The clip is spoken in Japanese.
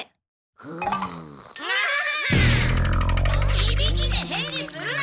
ぐ！がっ！いびきで返事するな！